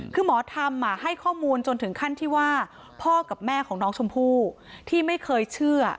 คือหมอธรรมให้ข้อมูลจนถึงขั้นที่ว่าพ่อกับแม่ของน้องชมพู่ที่ไม่เคยเชื่อ